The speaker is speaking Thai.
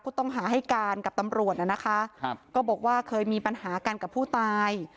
ผู้ต้องหาให้การกับตำรวจน่ะนะคะครับก็บอกว่าเคยมีปัญหากันกับผู้ตาย